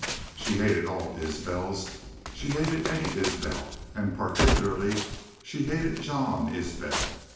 She hated all Isbels, she hated any Isbel, and particularly she hated Jean Isbel.